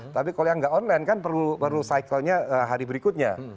tapi kalau yang nggak online kan baru cycle nya hari berikutnya